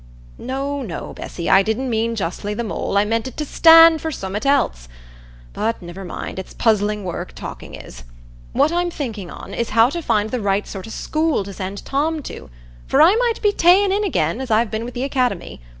"No, no, Bessy; I didn't mean justly the mole; I meant it to stand for summat else; but niver mind—it's puzzling work, talking is. What I'm thinking on, is how to find the right sort o' school to send Tom to, for I might be ta'en in again, as I've been wi' th' academy.